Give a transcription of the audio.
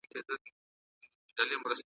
بلبلان د خپل بهار یو ګوندي راسي ,